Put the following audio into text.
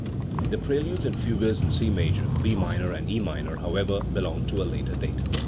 The preludes and fugues in C major, B minor and E minor, however, belong to a later date.